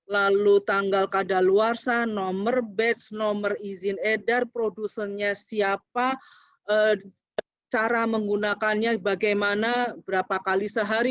lalu tanggal kadaluarsa nomor batch nomor izin edar produsennya siapa cara menggunakannya bagaimana berapa kali sehari